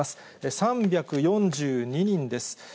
３４２人です。